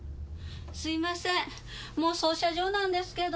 すいませんもう操車場なんですけど。